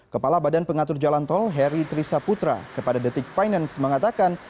kepala badan pengatur jalan tol heri trisaputra kepada detik finance mengatakan